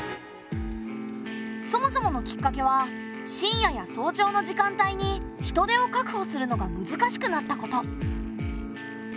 そもそものきっかけは深夜や早朝の時間帯に人手を確保するのが難しくなったこと。